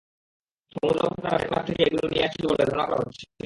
সমুদ্রপথে তারা টেকনাফ থেকে এগুলো নিয়ে আসছিল বলে ধারণা করা হচ্ছে।